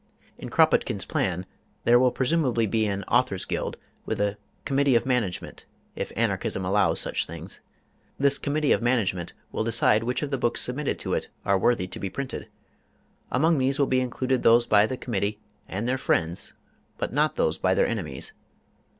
In Kropotkin's plan there will presumably be an Author's Guild, with a Committee of Management, if Anarchism allows such things. This Committee of Management will decide which of the books submitted to it are worthy to be printed. Among these will be included those by the Committee and their friends, but not those by their enemies.